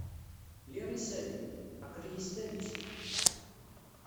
Liɣ isali. Aql-iyi s tadist.